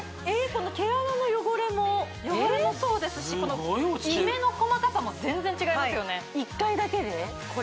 この毛穴の汚れも汚れもそうですしキメの細かさも全然違いますよね